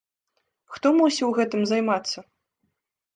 Хто мусіў гэтым займацца?